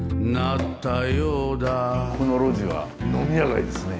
この路地は飲み屋街ですね。